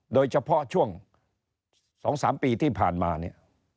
โดยเฉพาะช่วง๒๓ปีที่ผ่านมาเนี่ย